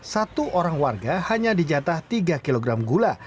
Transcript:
satu orang warga hanya dijatah tiga kg gula